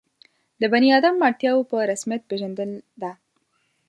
د بني آدم اړتیاوو په رسمیت پېژندل ده.